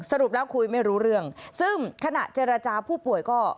สรุปแล้วคุยไม่รู้เรื่องซึ่งขณะเจรจาผู้ป่วยก็